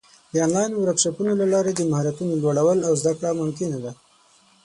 د آنلاین ورکشاپونو له لارې د مهارتونو لوړول او زده کړه ممکنه ده.